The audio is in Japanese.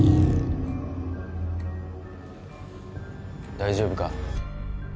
大丈夫か？